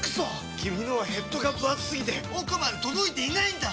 君のはヘッドがぶ厚すぎて奥まで届いていないんだっ！